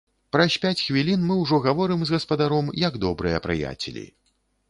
Праз пяць хвілін мы ўжо гаворым з гаспадаром, як добрыя прыяцелі.